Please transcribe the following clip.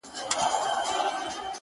اوس ماشومان وینم له پلاره سره لوبي کوي؛